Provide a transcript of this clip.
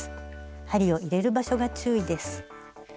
針を入れる場所が注意です。